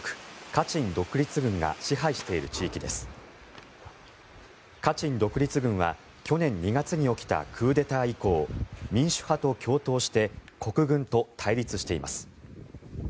カチン独立軍は去年２月に起きたクーデター以降民主派と共闘して国軍と対立しています。